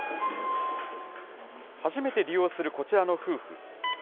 初めて利用するこちらの夫婦。